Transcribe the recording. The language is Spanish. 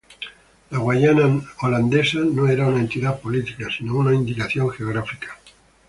La Guayana Neerlandesa no era una entidad política sino una indicación geográfica.